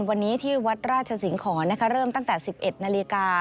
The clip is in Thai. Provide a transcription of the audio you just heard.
วันนี้ที่วัดราชสิงหอนเริ่มตั้งแต่๑๑นาฬิกา